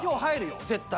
絶対。